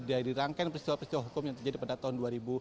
dari rangkaian peristiwa peristiwa hukum yang terjadi pada tahun dua ribu